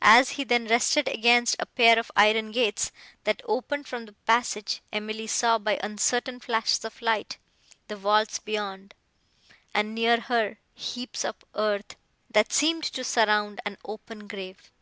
As he then rested against a pair of iron gates, that opened from the passage, Emily saw, by uncertain flashes of light, the vaults beyond, and, near her, heaps of earth, that seemed to surround an open grave.